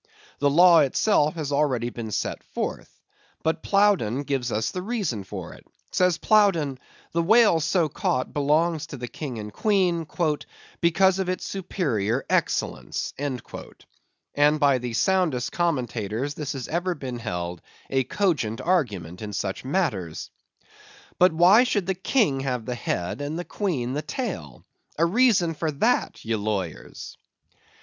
The law itself has already been set forth. But Plowdon gives us the reason for it. Says Plowdon, the whale so caught belongs to the King and Queen, "because of its superior excellence." And by the soundest commentators this has ever been held a cogent argument in such matters. But why should the King have the head, and the Queen the tail? A reason for that, ye lawyers!